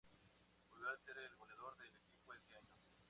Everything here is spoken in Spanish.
Volvió a ser el goleador del equipo ese año.